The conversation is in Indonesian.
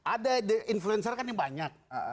ada influencer kan yang banyak